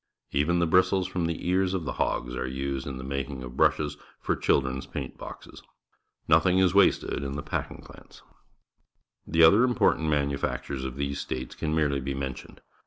Even the bristles from the ears of the hogs are used in the making of brushes for children's paint boxes. Nothing is wasted in the packing plants. 136 PUBLIC SCHOOL GEOGRAPHY The other important manufactures of these states can merely be mentioned.